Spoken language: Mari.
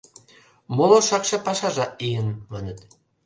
Моло шакше пашажат лийын, маныт.